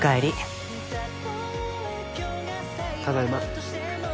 ただいま。